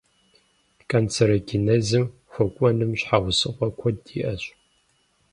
Канцерогенезым хуэкӀуэным щхьэусыгъуэ куэд иӀэщ.